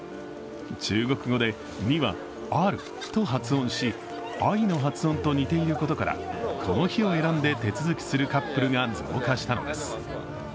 中国語で２はアルと発音し、愛の発音と似ていることからこの日を選んで手続きするカップルが増加したのです。